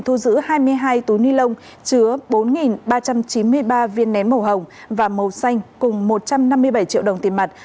thu giữ hai mươi hai túi ni lông chứa bốn ba trăm chín mươi ba viên nén màu hồng và màu xanh cùng một trăm năm mươi bảy triệu đồng tiền mặt